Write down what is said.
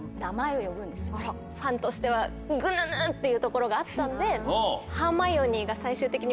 ファンとしてはぐぬぬ！っていうところがあったんで最終的に。